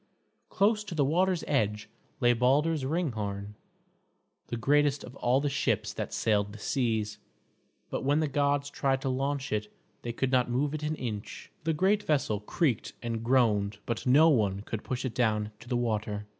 Close to the water's edge lay Balder's Ringhorn, the greatest of all the ships that sailed the seas, but when the gods tried to launch it they could not move it an inch. The great vessel creaked and groaned, but no one could push it down to the water.